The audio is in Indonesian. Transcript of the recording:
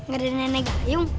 gak ada nenek gayung